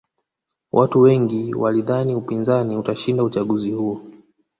watu wengi walidhani upinzani utashinda uchaguzi huo